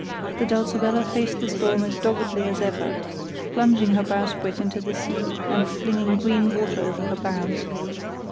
The Dulcibella faced the storm as doggedly as ever, plunging her bowsprit into the sea and flinging green water over her bows.